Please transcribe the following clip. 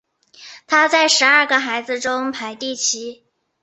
他在十二个孩子中排第七。